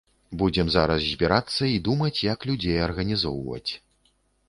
Будзем зараз збірацца і думаць, як людзей арганізоўваць.